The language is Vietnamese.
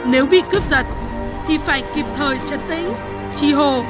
nếu bị cướp giật thì phải kịp thời chân tĩnh trì hồ